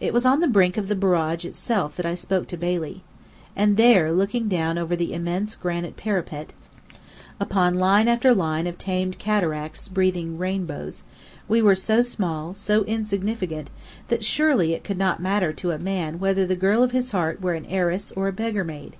It was on the brink of the Barrage itself that I spoke to Bailey. And there, looking down over the immense granite parapet, upon line after line of tamed cataracts breathing rainbows, we were so small, so insignificant, that surely it could not matter to a man whether the girl of his heart were an heiress or a beggar maid!